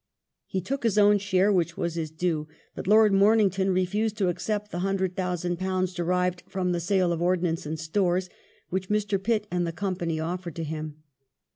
He took his own share, which was his due, but Lord Mornington refused to accept the hundred thousand pounds derived from the sale of ordnance and stores, which Mr. Pitt and the Company offered to him.